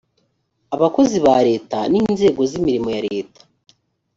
abakozi ba leta n inzego z imirimo ya leta